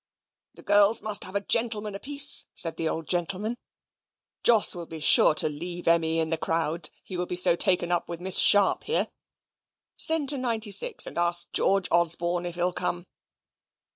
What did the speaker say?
"The girls must have a gentleman apiece," said the old gentleman. "Jos will be sure to leave Emmy in the crowd, he will be so taken up with Miss Sharp here. Send to 96, and ask George Osborne if he'll come."